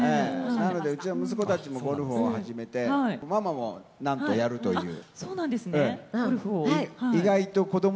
なのでうちの息子たちもゴルフを始めて、ママもなんと、やるという。